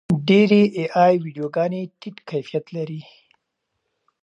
ډېرې اې ای ویډیوګانې ټیټ کیفیت لري.